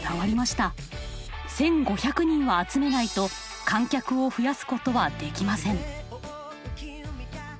１，５００人は集めないと観客を増やすことはできません。